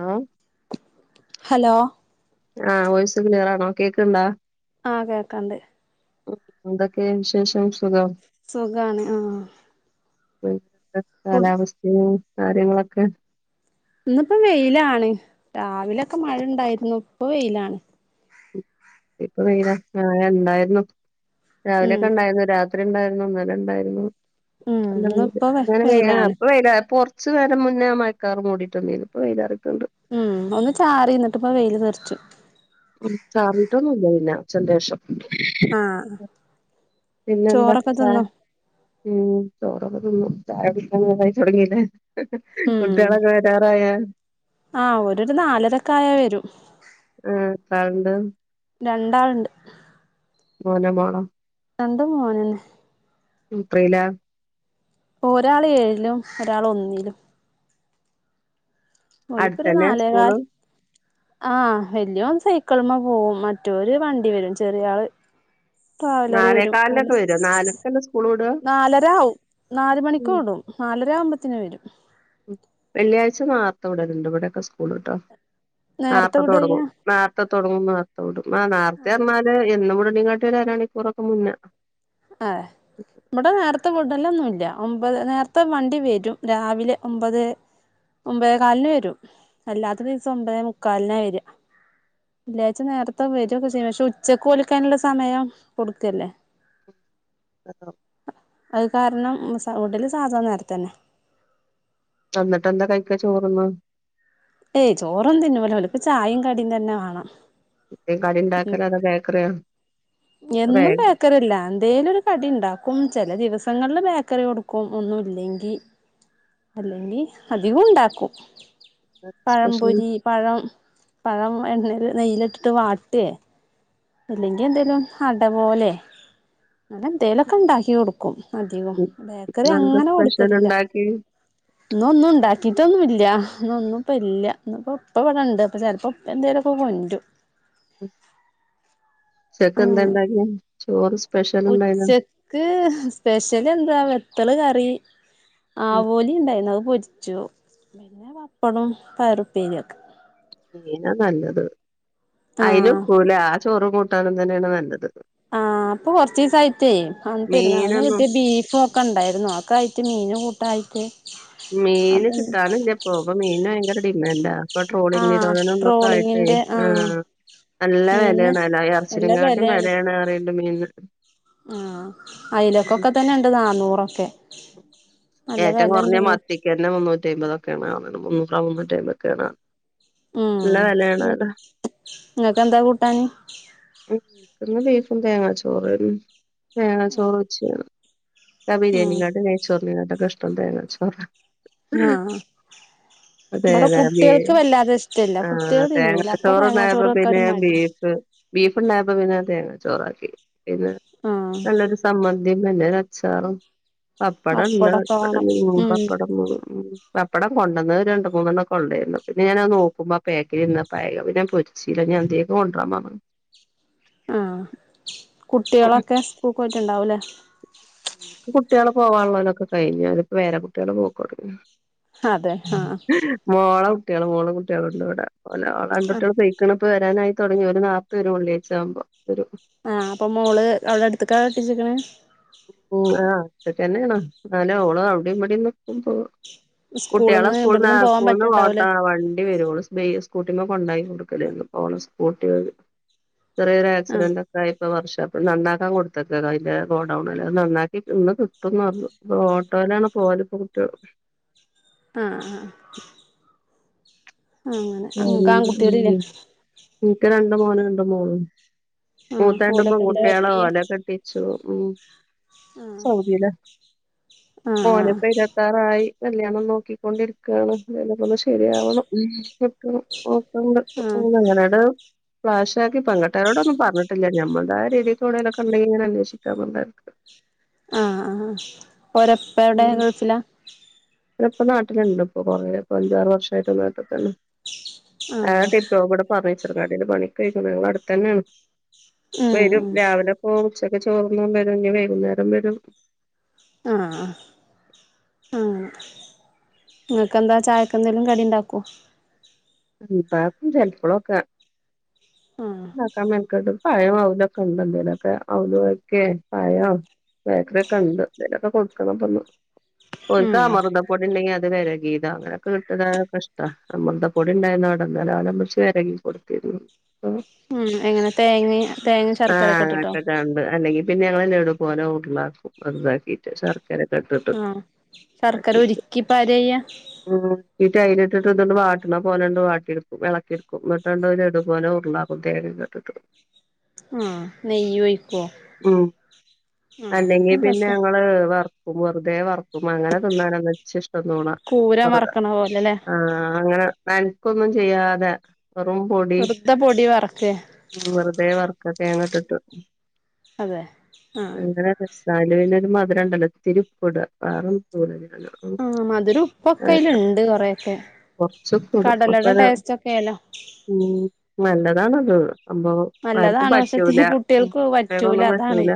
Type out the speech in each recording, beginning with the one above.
ആഹ് hello ആഹ് voice ക്ലിയറാണോ കേക്ക്ണ്ടാ ആഹ് കേക്കണ്ട് ഉം എന്തൊക്കെയാ വിശേഷം സുഖം സുഖാണ് ആഹ് ഉം ഫുഡ് കാലാവസ്ഥയും കാര്യങ്ങളൊക്കെ ഇന്നിപ്പോ വെയിലാണ് രാവിലൊക്കെ മഴ ഇണ്ടായിരുന്നു ഇപ്പൊ വെയിലാണ് ഇപ്പൊ വെയിലാ മാഴ ഇണ്ടായിരുന്നു ഉം രാവിലെയൊക്കെ ഉണ്ടായിരുന്നു രാത് ത്രി ഇണ്ടായിരുന്നു ന്നലെ ഇണ്ടായിരുന്നു ഉം നല്ല വെയില് ഇന്നിപ്പോ [unintelligible] ഏഹ് വെയിലാണ് ഇപ്പ വെയിലാ പൊറ കുറച്ച് നേരം മുന്നേ മഴക്കാർ മൂടിയിട്ടെന്നെനു ഇപ്പൊ വൈലറിക്കുന്നുണ്ട് ഉം ഒന്ന് ചാറിന്നിട്ട്പ്പ വെയില് നിറിച്ചു ഉം ചാറീട്ടൊന്നുംല്ല പിന്നെ ഉച്ചന്റെ ശേഷം ആഹ് പിന്നെന്താ ചോറൊക്കെ ചാ തിന്നോ ഉം ചോറൊക്കെ തിന്നു ചായ കുടിക്കാൻ നേരായി തുടങ്ങിലെ ഹ് ഹ് ഹ് ഉം കുട്ടികളൊക്കെ വരാറായാ ആഹ് ഓരൊരു നാലരക്കായ [unintelligible] ആഹ കണ്ട് രണ്ടാൾണ്ട് മോനമാോളോ രണ്ട് മോനന്നെ എത്രയിലാ ഒരാൾ ഏഴിലും ഒരാൾ ഒന്നിലും അടുത്തന്നെ സ്കൂൾ ആഹ വലിയ സൈക്കിൾമ്മെ പോകും മറ്റൊര് വണ്ടി വരും ചെറിയ ആള് ട്രാവലർ വരും നാലേകാലിനൊക്കെ വരും നാലരക്കല്ലേ സ്കൂൾ വിടുക നാലര ആവും നാല് മണി ഉം വിടും നാലര ആവുമ്പോത്തേനന് വരും വെള്ളിയാഴ്ച നോർത്ത വിടലുണ്ട് ഇവിടെൊക്കെ സ്കൂൾ കട്ടോ നേരത്തെ തുടങ്ങും നേരത്തെ തുടങ്ങും നേരത്തെ വിടും ആ നേരത്തെ പറന്നാല് എന്നും കൂടെ നിങ്ങട്ടരാണിക്കൂറൊക്കെ മുന്നേ ആഹ് ഇവിടെ നേരത്തെ ഫുഡല്ല ഒന്നുമ ഇല്ല ല്ല ഒമ്പത് നേരത്തെ വണ്ടി വരും രാവിലെ ഒമ്പത് ഒമ്പതേ കാലിന് വരും അല്ലാത്ത ദിവസം ഒമ്പതേ മുക്കാലിനെ വരക വെള്ളിയാഴ്ച്ച നേരത്തെ വരും ഒക്കെ ചെയും പക്ഷെ ഉച്ചക്ക് ഒലിക്കാനുള്ള സമയം കൊടുക്കല്ലേ ആഹ് അത് കാരണം സൗണ്ട് സാധനം നേരത്തന്നെ വന്നിട്ട് എന്താ കൈക്ക ചോർന്ന് ഏയ് ചോറും തിന്നുമല്ല ഇപ്പ ചായയും കടിയും തന്നെ വേണം എന്തേം കടി ഉ ഉണ്ടാക്കലോ അതോ ബേക്കറിയോ എന്നും ബേക്കറി ബേക്കറില്ല എന്തേലും ഒരു കടി ഉണ്ടാക്കും ചില ദിവസം ബേക്കറി കൊടുക്കും ഒന്നുമില്ലെങ്കിൽ അല്ലെങ്കിൽ അധികം ഉണ്ടാക്കും പഴം സ്പെഷ്യൽ പൊരി പഴം പഴം എണ്ണൽ നെയില ഇട്ടിട്ട് വാട്ടും പെ അല്ലെങ്കിൽ എന്തേലും അട പോലെ അല്ല എന്തേലുമൊക്കെ ഉണ്ടാക്കി കൊടുക്കും അധികവും ബേക്കറി ഇന്നെന്താ അങ്ങനെ സ്പെഷ്യൽ കൊടുക്കല്ലില്ല ഉണ്ടാക്കി ഇന്ന് ഒന്നും ഇണ്ട സ്പെഷ്യൽ ഒന്നുമില്ല ഇപ്പ ഇവിടെ ഉണ്ട് ഇല്ല ഇപ്പ എന്തേലു കൊണ്ടു മ് ഉച്ചയ്ക്ക് എന്ത് ആഹ് ഉണ്ടാക്കിയെ സ്പെഷ്യൽ ഉണ്ടായിനോ ഉച്ചക്ക് സ്പെഷ്യൽ എന്താ വെത്തല് കറി ആവോലി ഉണ്ടായിരുന്നു പൊരിച്ചു പിന്നെ പപ്പടും പയറു പ്പേരി പിനെ നല്ലത് അയിന് ആഹ് ഒക്കൂലെ ആ ചോറും നട്ടാണ തന്നെയാണ് നല്ലത് ആഹ് അപ്പൊ കൊറച്ച ദിവസ ആയിട്ടേ അ പെരുന്നാളിന് മീനൊന്നും കിട്ടിയ ബീഫും ഒക്കെ ഉണ്ടായിരുന്നു ഒക്കെ ആയിട്ട് മീൻ കൂ ട്ടായിത്തെ മീന് കിട്ടാണ് ഇല്ല പോകുമ്പോ മീന് ഭയങ്കര നണ്ടാ ഇപ്പൊ ട്രോളിംഗ് ആഹ് നിരോധനം ഇതൊക്കെ ആയിട്ടേ ട്രോളിങ്ങിന്റെ ആ ആഹ് നല്ല മീനിന് വിലയണ അല്ല എറച്ച്ചീനെക്കാട്ടും വിലയണ അറി മീന്ന [unintelligible] ആ അയലക്കൊക്കെ തന്നെ ഉണ്ട് നന്നൂറൊക്കെ [unintelligible] ഏറ്റവും കുറഞ്ഞ മത്തിക്കന് മുന്നൂറ്റമ്പതെ മുന്നൂറാവുന്ന ടൈംക്കണ [unintelligible] മ് നിങ്ങക്ക് എന്താ കൂട്ടാന് ഉം ഇന്ന് ബീഫും തേങ്ങാ ചോറുമാ തേങ്ങ ചോറു വച്ച് ഞാനേ ഉം കബരിയലിങ്ങാടെ നെയ്ച്ചോർ [unintelligible] ഇഷ്ടം തേങ്ങ ചോറ ആഹ് ഇവിടെ തേങ്ങ കുട്ടികൾക്ക് വല്ലാതെ ഇഷ്ടല്ല ആ കുട്ടികൾ തേങ്ങ തിന്നൂല അപ്പൊ ചോറണ്ടായപ്പോ തേങ്ങാച്ചോറൊക്കെ പിന്നെ ഒരു മടി ബീഫ് ബീഫ് ഉണ്ടായപ്പോ പിന്നെ തേങ്ങ ചോറാക്കി പിന്നെ ആഹ് നല്ലൊരു സമ്മന്തീം പിന്നോരച്ചാറും പപ്പാടൊണ്ട് പപ്പടൊക്കെ വേണം ഉം പപ്പടം പപ്പടം കൊണ്ടന്നതെ രണ്ട് മൂന്നെണ്ണം ഒക്കൊണ്ടാരുന്നു പിന്നെ ഞാനത് നോക്കുമ്പോ ആ പാക്കിൽ ഇന്ന പായക പിന്നെ പൊരിച്ചില ഞൻ എന്യൊക്കെ കൊണ്ട ആ കുട്ടികളൊക്കെ സ്‌കൂളിൽ പോയിട്ടുണ്ടാവൂലേ പോവാനുള്ളനൊക്കെ കഴിഞാരുന്നു പേരക്കുട്ടികളെ നോക്കും അവിടിരുന്നേ അതെ ആഹ് വാളും കുട്ടികളെ മോളും കുട്ടികളും ഉണ്ടി വിടെ ഓലാ ആഹ് കുട്ടികളെ തെയക്കണം ഇപ്പ വരാനായി തൊടങ്ങി ഒരു നാല്പതെ ഉള്ളിയാചാവുമ്പം ഒരു ആ അപ്പൊ മോള് അവിടെ അടുത്തക്കാ കെട്ടിച്ചക്കണ് മ് ആ അത് ന്നെയാണ്ണോ ഞാനും ഓളും അവിടെയും ഇവിടേം നിക്കുമ്പോ കുട്ടികളെ സ്കൂളിന്ന് സ്കൂൾന്നെ ഇവിടന്നും പോവാൻ സ്കൂളിന്ന് പറ്റുണ്ടാവൂലേ ഓട്ടോയോ വണ്ടി വരുവൊള്ളൂ സ്കൂട്ടിമേ കൊണ്ടായി കൊടുക്കലേ ഒള്ളു അവളെ സ്കൂട്ടിയോ ആഹ് ചെറുറിയോരാക്സിഡന്റോക്കാ യപ്പം വർഷ അതിപ്പ നന്നാക്കാൻ കൊടുത്തേക്ക അതി ല്ല അത് നന്നാക്കി ഇന്ന് കിട്ടും പറഞ്ഞു ഇപ്പ ഓട്ടോയിലാണ് പോലവല് ഇപ്പ കുട്ട്യോൾ അ അ ആഅങ്ങനെ നിങ്ങക്ക് ആൺകുട്ടികളില്ലേ ഇൻക്ക് രണ്ട് മോനും രണ്ട് മോളും ആഹ് മൂത്താത് ഓലൊക്കെ എന്താ പെൺകുട്ടികള വർക്ക് ചെയ്യാ ഓലെ കെട്ടിച്ചു അ ആഹ് സൗദില മോൻ ആഹ് നിപ്പോ ഇരുപത്താറായി അല്ലയാണം നോക്കിക്കൊണ്ടിരിക്കുകയാണ് അദ്ദേനെപ്പന്ന് ശ ശരിയാവണം ഉം ഓക് [unintelligible] ആഹ് അങ്ങനാണ്ട് വാസ് ക്കി പെക്കട്ടരന്മാരോടെന്നും പറഞ്ഞിട്ടില്ല നമ്മുൾ തായ രീതിക് ഓവുടെലൊക്കെ കണ്ടെങ്കിൽ ഇങ്ങനെ അന്വേഷിക്കാമന്ന ലക്ക് ആഹ ആഹ് ആഹ ഒരപ്പ എവിടെയാ ഗൾഫില ഇപ്പ നാട്ടിലുണ്ട് ഇപ്പൊ കൊറ അഞ്ചാറ് വർഷമായിട്ട് നാട്ടിൽ തന്നെ ആഹ് അതട്ടെ ഇവിടെ പറച്ച [unintelligible] ങ്ങാടി പണിക്കെ ആയിക്കുന്നു ഞങ്ങള അടുത്തന്നെയാണ് വരും ഉം രാവിലെ പോകും ഉച്ചക്ക് ചോർന്ന വരും ഇണ് വൈകുന്നേരം വരും അ അ അ നിങ്ങൾക്ക്ന്ത ചായക്എന്തെലും കടി ഉണ്ടാക്കോ ഉണ്ടാക്കും ചെലപ്പോഴൊക്കെ ആഹ് ഉണ്ടാക്കാൻ മേക്കട്ട് പഴം അവലൊക്കെ ഉണ്ട് എന്തേലൊക്കെ അവലും ഒക്കെ പഴം ബേക്കറിക്കെ ഉണ്ട് എന്തേലൊക്കെ കൊടുക്കണപ്പന്ന് ഓൽക് ഉം അമൃതപ്പൊടി ഉണ്ടെങ്കിൽ അത് വര ഗീത അങ്ങനെയൊക്കെ കിട്ടത ഇഷ്ടണ് അമൃത ടെണ്ടായിരുന്നു അവിടെ ഇന്നലെഓന്ക് ഒന്നിച്ചു വരക്കി കൊടുത്തിരുന്നു ഉം എങ്ങനെ തേങ്ങ തേങ്ങ ആഹ് ശർക്കരൊക്കെ ഇട്ടിട്ടോ ഓൺ അത് ഉറളക്കും അത് ഇദ്ധാക്കിറ്റ് ഛർദി ആ സർക്കര ഉരുക്കിപ്പരെ ചെയ്യാ ഉം ഇട്ട് അയ്യിട്ടിട്ട്ഒന്ന് വാട്ടിന പോലെ വാടിടുക്കും ഇളക്കെടുക്കും എന്നിട്ടണ്ട് ലഡു പോലെ ഉരുളാക്കും തേങ്ങക്കെ ഇട്ടിട്ട് ആ നെയ്യ് ഒഴികെ ഉം അ രസ ക്കും വെറുതെ വർ അപ്പ അങ്ങനെ തിന്നാന ഇച്ച് ഇഷ്ടം തോണാ പൂരം വരക്ന പോലെല്ലേ നൻക്കൊന്നും ചെയ്യാതെ വറുംപൊടി വെറുതെ പൊടി വറക്കേ വെറുതെ വർ ക്ക തേങ്ങട്ടിട്ട് അതെ ആഹ് നാലുവിന ഒരു മധുരംണ്ടല്ലോ ഇത്തിരി ഉപ്പൂട വേറന്നും [unintelligible] ആഹ് മധുരും ഉറപ്പൊക്കയില്ണ്ട് കൊറെയൊക്കെ കൊറച്ചൊക്കെ ഇടും അപ്പൊ കടലയുടെ ഒരു ടേസ്റ്റ് ഒക്കെ ല്ലോ ഉം നല്ലതാണത് സംഭവം ആർക്കും നല്ലതാണ് പറ്റൂല പക്ഷെ ഉം കുട്ടികൾക്ക് പറ്റൂല വേറൊന്നും അതാണ് പറ്റൂല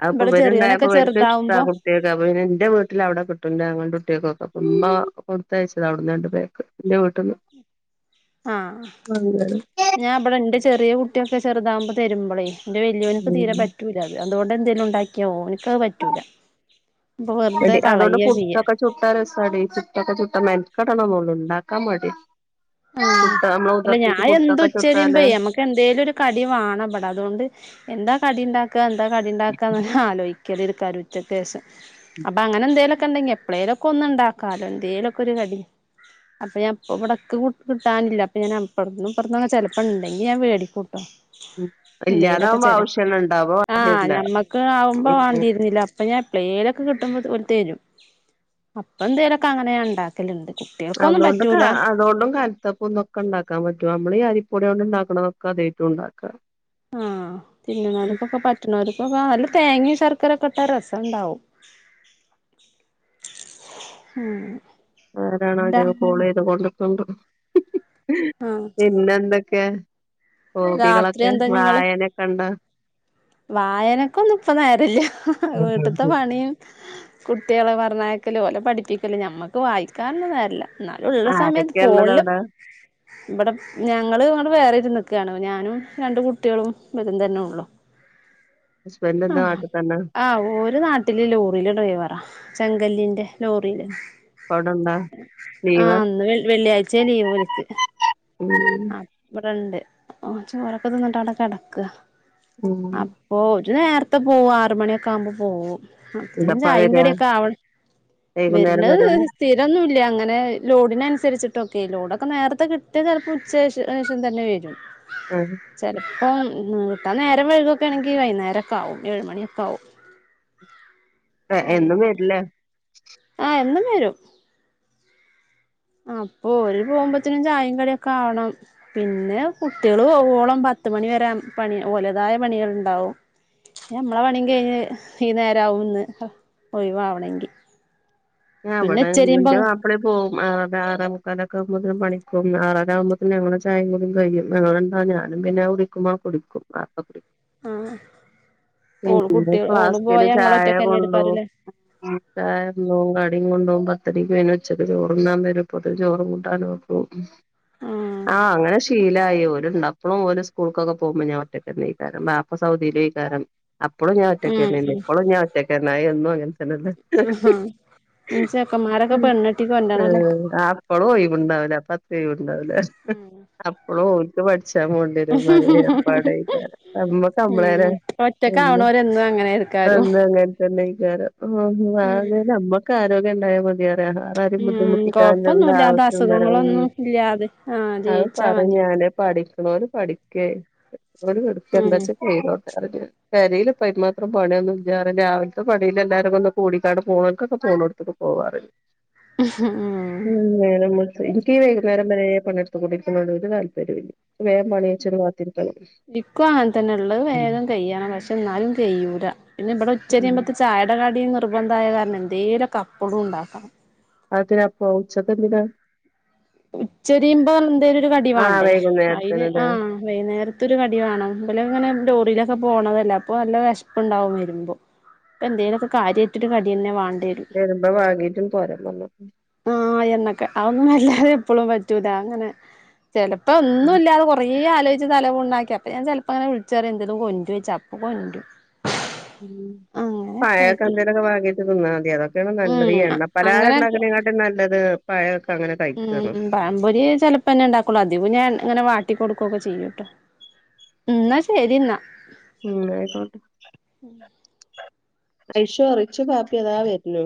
അതിപ്പോ ഇവിടെ ഇവല്ണ്ടായപ്പോ ചെറിയോനൊക്കെ ഇവർക്ക് ഇഷ്ടാ ചെറുതാവുമ്പോ കുട്ടിയേൾക്ക് അപ്പ പിന്നെ ഇന്റെ വീട്ടിൽ അവിടെ കിട്ടും ഇൻ്റാങ്ങ ൾൻ്റെ കു ട്ട്യേകൊക്ക ഉമ്മ കൊടുത്തയച്ചത് അവിടന്ന് രണ്ട് പേക്ക് എന്റെ വീട്ട്ന്ന് ആഹ് ഞാൻ ഇബടെ ഇൻ്റെ ചെറിയ കുട്ടിയ ക്യ ചെറ്താകുമ്പ തരുമ്പളേ എന്റെ വെല്ല്യോനിപ്പ തീരെ ഉം പറ്റൂല്ല അത് അതുകൊണ്ട് എന്തേലും ഉണ്ടാക്കിയാ ഓന് വെറുതെ അതോണ്ട് കളയ ചെയ്യാ പുട്ടൊക്കെ ചുട്ടാ രസാടി പുട്ടൊക്കെ ചുട്ട മെൻ കടണം ന്നൊള്ളൂ ഇണ്ടാക്കാൻ മടിയാ ആഹ് പുട്ട് നമ്മള് ഉതിർത്തിട്ട് പുട്ടൊക്കെ ചുട്ടാല് കടിണ്ടാക്ക [unintelligible] എന്താ കടി ഉണ്ടാക്ക ന്നാ ഞാ ആലോയി [unintelligible] ഉച്ചക്കേശം അപ്പൊ അങ്ങനെ എന്തേലു ക്കെണ്ടെങ്കി എപ്പളേലും ഒക്കെ ഒന്നുണ്ടാക്കാലോ എന്തേലു ഒക്കെ ഒരു കടി അപ്പൊ ഞ ഇപ്പവടക്ക് കിട്ടാനില്ല അപ്പൊ ഞാൻ അപ്പുറന്നും ഇപ്പൊറന്നും ചെലപ്പ ഉണ്ടെങ്കിൽ ഞാൻ വേടിക്കു ട്ടൊ ഉം എന്തേലൊക്കെ ഇല്ലാതാവുമ്പോ ചെറ്യ ആവശ്യള്ള ഇണ്ടാവും ആഹ് വേണ്ടിവരില്ല ഞമ്മക്ക് ആവുമ്പോ ഉം വാണ്ടിരുന്നില്ല ഇപ്പൊ ഞാൻ എപ്പ്ളേയലൊക്കെ കിട്ടുമ്പോ ഓല് തെരും അപ്പ എന്തേലൊക്കെ അങ്ങനെ ഞാൻ ഉണ്ടാക്കലുണ്ട് അതുകൊണ്ട് കാ അതുകൊണ്ടും ക ൽത്തപ്പും ഇതൊക്കെ ഉണ്ടാക്കാൻ പറ്റും നമ്മള് ഈ അരിപ്പൊടിയോണ്ട് ഉണ്ടാക്കണതൊക്കെ അതേറ്റും ഉണ്ടാക്കാ ആഹ് തിന്ന്ണോൽക്കൊക്കെ പറ്റുണോർക്കൊക്കെ അല്ലെ തേങ്ങിം ശർ ക്കരക്കെട്ടാ രസണ്ടാവും ഉം ആരാണ വോ ട്ടാ ഞാൻ കോൾ ചെയ്ത് കോണ്ട് ക്കുമ്പം ആഹ് പിന്നെ എന്തൊക്കെ ഹോബികളൊക്കെ വായനക്കെ ണ്ടോ വായനക്കെ ഒന്നും ഇപ്പ നോയരല്ല വീട്ടത്തെ പണിയും കുട്ടികളെ പറഞ്ഞ പരിക്കല ലെ പഠിപ്പിക്കല ഞമ്മക്ക് വായിക്കാുള്ളതരില്ല എന്നാലും ഉള്ള സമയത്ത് ആരൊക്കെയാ ഇള്ളത് ഫോണിലും അവിടെ ഇവിടെ ഞങ്ങള് ഇങ്ങടെ വേറെ നിക്കാണ്. ഞാനും രണ്ട് കുട്ട്യാളും ഇവരും തന്നെ ഉള്ളു. ഹസ്ബൻഡ് എന്താ നാട്ടിൽ തന്നെ ആഹ് ഓര് നാട്ടില് ലോറിയിലെ ഡ്രൈവറാ ചെങ്കല്ലിൻ്റെ ലോറിയില്. ഇപ്പ അവിടെണ്ടാ ലീവാ ആഹ് ഇന്ന് വെള്ളിയാഴ്ച ലീവോല്ക്ക് ഉം ആഹ് ഇവിടണ്ട് ഓ ചോറൊക്കെ തിന്നിട്ട് അവിടെ കെടക്ക്വാ ഉം വര് നേരത്തെ പോവു ആറ് മണിയൊക്കെ ആവ്മ്പ പോവും. അതും എന്തപ്പളാ ചായും വരാ കടിയൊക്കെ ആവണം. വൈകുന്നേരം വര്ണത് വരോ ഒരു സ്ഥിരൊന്നുല്ല അങ്ങനെ, ലോഡിനന്സരിച്ചിട് ട്ടൊക്കെ. ലോഡൊക്കെ നേരത്തെ കിട്ടിയാ ചിലപ്പോ ഉ ശേഷ ശേഷം തന്നെ വരും ആഹ് അപ്പം കിട്ടാ നേരം വൈകൊക്കാണെങ്കി വൈകുന്നേരൊക്കെ ആവും. ഏഴ്മണിയൊക്കെ ആവും. ഏ എന്നും വെര്ല്ലേ. ആ എന്നും. വരും. അപ്പൊ ഓല് പോകുമ്പോത്തിനും ചായും കടിയൊക്കെ ആവണം പിന്നെ കുട്ടികള് പോകോളം പത്തുമണി വരാ പണി ഓലതായ പണികൾ ഉണ്ടാവും പിന്ന നമ്മളെ പണിയും കഴിഞ്ഞ് വൈന്നേരാവും ഒന്ന് ഒഴിവാവണെങ്കി. പിന്നെ ആവിടണ്ട് ഉച്ചരിയുമ്പോ ന്റെ മാപ്പ്ളി പോവും. ആറര ആറേമുക്കാലൊക്കെ ആവുമ്പോത്തിന് പണിക്കോകും ആറര ആകുമ്പോത്തിന് ഞങ്ങള ചായയും കുടിം കഴിയും. ഞങ്ങള് രണ്ടാളും ഞാനും പിന്നെ അത് കുടിക്കുമ്പോ ആണ്ട് കുടിക്കും അപ്പൊ പി ആഹ് [unintelligible] ഫ്ലാസ്ക്കില് ചായ ഒറ്റക്കന്നെ കൊണ്ടോക്കും എടുക്കാറില്ലേ ഉം ചായണ്ടോക്കും കടിം കൊണ്ടോക്കും മ്പ അത്രനക്ക് അെ ഉച്ചക്ക് ചോറന്താന്ന് വരപ്പൊ ചോറും കൂട്ടാൻ നോക്കും ഉം ആഹ് അങ്ങനെ ശീലായി പോ ണ്ട് ഒരു സ്കൂൾക്കൊക്കെ പോകുമ്പോ ഞാൻറ്റക്ക്ഇരിക്കാരം വാപ്പസ് സൗതിക്കാരം അപ്പോഴും ഞാൻ ഉം ഒറ്റക്കന്നെ ഉം ഇപ്പഴും ഞാൻറ്റക്ക് തന്നെ ആയി നമ്മളങ്ങനെ ആഹാ ഇനി ചെക്കന്മാരൊക്കെ [unintelligible] പെണ്ണെട്ടി കൊണ്ടരണല്ലേ തെയോട്ട് ഉണ്ടവുല്ലെ ഉം അപ്പളും ഉം [unintelligible] [unintelligible] [unintelligible] [unintelligible] ഓ ഉം നമ്മക്ക് ആരോഗ്യ രോഗ്യം ഉണ്ടായാൽ മതിയായിരുന്നു വേറെരെയും ഉം ബുദ്ധിമുട്ടിക്കാനുള്ള കൊഴപ്പൊന്നുല്ലാതെ ആവശ്യം നെറവേ അസുഖങ്ങളൊന്നും ഇല്ലാതെ ആഹ് അത് ജീവിച്ചാ മതി പറഞ്ഞ് ഞാന് പഠിക്ക്‌നോല് പഠി ക്കെ ഓല് കെടക്കേ ഉം എന്താച്ചാ ചെയ്തോ അതെന്നെ പെര്യേല് അയ് മാത്രം പണിയൊന്നും ഇല്ലാ പറയും രാവിലത്തെ പണില് എല്ലാരൊന്ന് കൂടിക്കാണ്ട് പോണോൽക്കൊക്കെ പോണോട്ത്ത്ക്ക് പോവാറിയും ഉം എനിക്ക് ഈ വൈകുന്നേരം വരെ പണിയെടുത്ത് കൊണ്ടിരിക്കുന്നതിന്ന് ഒരു താല്പര്യവുമില്ല വേഗം പണിയിച്ച് ബാക് ഇക്കും അങ്ങനെ തന്നെ ള്ളെ ഉം വേഗം കയ്യ പക്ഷെ എന്നാലും ചെയ്യൂല പിന്നെ ഇബടെ ഉം ഉച്ചരിയുമ്പോതിന് ചായയുടെ കടി നിർ നിർബന്ധായ കാരണം എന്തേലും അപ്പളും ഇണ്ടാക്കാം അതിനപ്പോ ഉച്ചക്ക് എന്തിനാ ഉച്ചരിയുമ്പോ എന്തേലും ഒരു കടി ആഹ് വാണ്ടേ അയിന് ആ വൈകുന്നേരത്തിനല്ലേ വൈകുന്നേരത്തൊരു കടി വാണം ഇവരങ്ങനെ ലോറിലാ പോണതല്ലേ അപ്പൊ നല്ല വെശ്പ്പ്ണ്ടാവും വരുമ്പോ അപ്പന്തേലൊക്കെ കാര്യയിട്ടൊരു കടി തന്നെ വാണ വരുമ്പോ വാങ്ങീട്ടും പോരാ പറഞ്ഞ ഒന്നുല്ലാതെ എപ്പളും പറ്റൂലാ അങ്ങനെ ചെലപ്പോ ഒന്നും ഉം ഇല്ലാതെ കൊറേ ആലോചി ച്ച് തല പുണ്ണാക്കി അപ്പം ഞൻ ചെലപ്പങ്ങനെ വിളിച്ചറിം എന്തേലും കൊണ്ടരൊയിച്ചും അപ്പൊ കൊണ്ടരും ഉം പയൊക്കെ ആയിട്ട് എന്തേലും വാങ്ങിട്ട് തിന്നാൽ മതി അ [unintelligible] ഏറ്റവും നല്ലത് ഉം ഈ എണ്ണപ്പലഹാരം അങ്ങനെയൊക്കെ ഇണ്ടാക്കുന്നതിനാട്ടിലും നല്ലത് പഴം ഉം പഴംപൊരി ചെപ്പോന്നെ ഇണ്ടാക്കൊള്ളു അധികും ഞാൻ അങ്ങനെ വാട്ടി കൊടുക്കൊക്കെ ചെയ്യൂ ട്ടോ ന്നാ ശരി ന്നാ ഉം ആയിക്കോട്ടെ ആയിശോ റിച്ചും കാക്കിം അതാ വരുന്നു